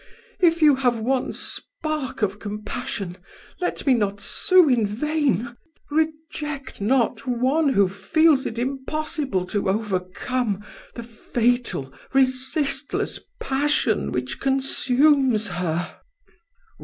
If you have one spark of compassion, let me not sue in vain reject not one who feels it impossible to overcome the fatal, resistless passion which consumes her."